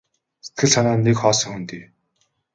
Сэтгэл санаа нь нэг хоосон хөндий.